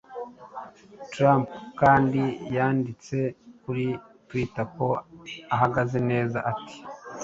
Trump kandi yanditse kuri Twitter ko ahagaze neza, ati: "